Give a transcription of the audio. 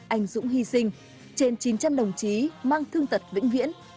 anh dũng hy sinh trên chín trăm linh đồng chí mang thương tật vĩnh viễn